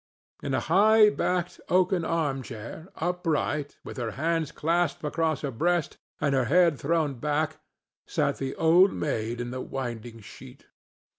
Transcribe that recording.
In a high backed oaken arm chair, upright, with her hands clasped across her breast and her head thrown back, sat the Old Maid in the Winding Sheet.